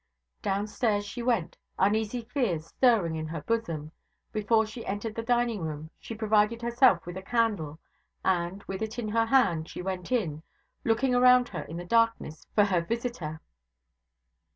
Downstairs she went, uneasy fears stirring in her bosom. Before she entered the dining room she provided herself with a candle, and, with it in her hand, she went in, looking around her in the darkness for her visitor.